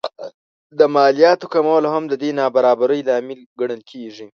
د مالیاتو کمول هم د دې نابرابرۍ لامل ګڼل کېږي